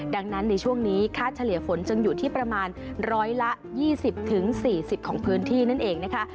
ดังนั้นในช่วงนี้ค่าเฉลี่ยฝนจึงอยู่ที่ประมาณ๑๒๐๔๐ของพื้นที่นั่นเองนะคะ